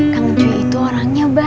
kang joy itu orangnya baik